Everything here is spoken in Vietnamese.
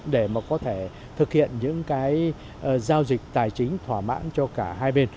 để mà có thể thực hiện những cái giao dịch tài chính thỏa mãn cho cả hai bên